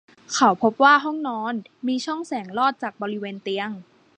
เขาพบว่าห้องนอนมีช่องแสงลอดจากบริเวณเตียง